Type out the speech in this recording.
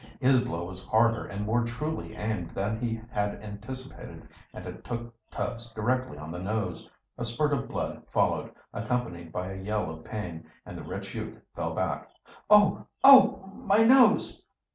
His blow was harder and more truly aimed than he had anticipated, and it took Tubbs directly on the nose. A spurt of blood followed, accompanied by a yell of pain, and the rich youth fell back. "Oh! oh! My nose!"